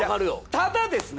ただですね